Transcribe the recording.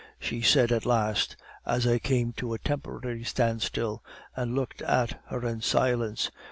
she said at last, as I came to a temporary standstill, and looked at her in silence.